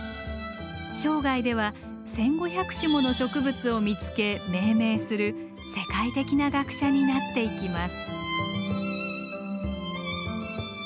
生涯では１，５００種もの植物を見つけ命名する世界的な学者になっていきます。